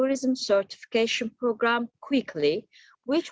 kami memperkenalkan program sertifikasi turisme yang sehat dengan cepat